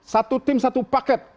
satu tim satu paket